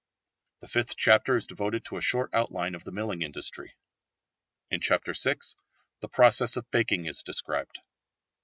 The fifth chapter is devoted to a short outline of the milling industry. In chapter VI the process of baking is described.